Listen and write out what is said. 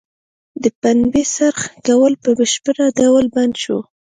د پنبې څرخ کول په بشپړه ډول بند شو.